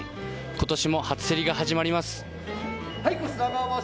今年も初競りが始まります。